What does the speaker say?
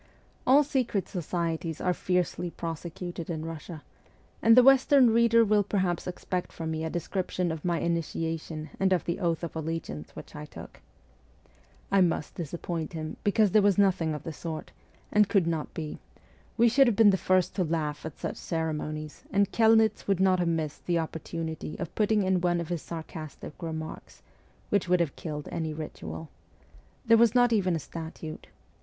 All secret societies are fiercely prosecuted in Eussia, and the western reader will perhaps expect from me a description of my initiation and of the oath of allegiance which I took. I must disappoint him, because there was nothing of the sort, and could not be ; we should have been the first to laugh at such ceremonies, and Kelnitz would not have missed the opportunity of putting in one of his sarcastic remarks, which would have killed any ritual. There was not even a statute.